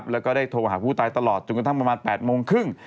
แล้วก็ได้โทรหาผู้ตายตลอดจนกระทั่งประมาณ๘โมงครึ่ง